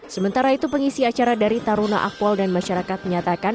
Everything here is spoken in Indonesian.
sementara itu pengisi acara dari taruna akpol dan masyarakat menyatakan